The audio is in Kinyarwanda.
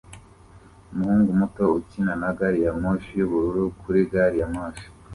Umuhungu muto ukina na gari ya moshi yubururu kuri gari ya moshi